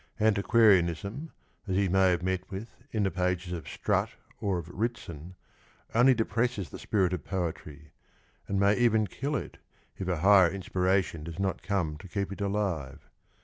Antiquarianism, as he may have met with in the pages of Strutt or of Ritson, only depresses the spirit of poetry, and may even kill it if a higher inspiration docs not come to keep it alive.